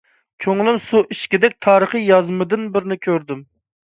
كۆڭلۈم سۇ ئىچكۈدەك تارىخىي يازمىدىن بىرنى كۆردۈم.